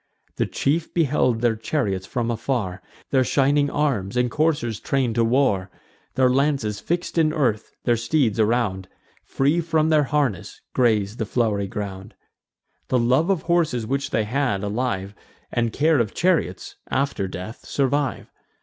The chief beheld their chariots from afar, Their shining arms, and coursers train'd to war: Their lances fix'd in earth, their steeds around, Free from their harness, graze the flow'ry ground. The love of horses which they had, alive, And care of chariots, after death survive.